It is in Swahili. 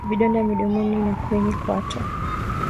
Vidonda midomoni na kwenye kwato